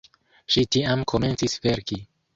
Ŝi tiam komencis verki.